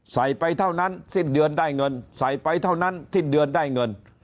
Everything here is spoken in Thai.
ไปเท่านั้นสิ้นเดือนได้เงินใส่ไปเท่านั้นสิ้นเดือนได้เงิน